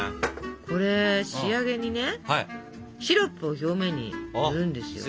これ仕上げにねシロップを表面にぬるんですよ。